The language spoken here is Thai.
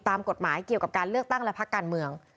ตามกฎหมายเกี่ยวกับการเลือกตั้งและพักการเมือง